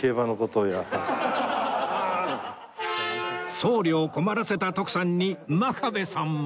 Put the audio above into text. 僧侶を困らせた徳さんに真壁さんも